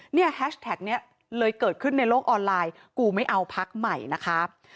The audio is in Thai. แฮชแท็กนี้เลยเกิดขึ้นในโลกออนไลน์กูไม่เอาพักใหม่นะคะ